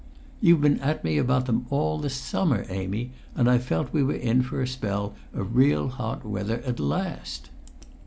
"You've been at me about them all the summer, Amy, and I felt we were in for a spell of real hot weather at last."